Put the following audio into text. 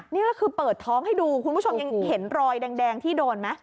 นี่ก็คือเปิดท้องให้ดูคุณผู้ชมยังเห็นรอยแดงที่โดนไหม